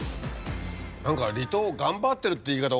何か離島頑張ってるって言い方